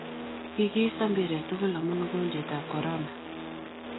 kikiista mpiret tugul amun ugojwet ab korona